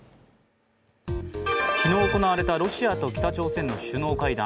昨日行われたロシアと北朝鮮の首脳会談。